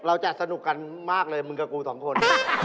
สนุกกันมากเลยมึงกับกูสองคน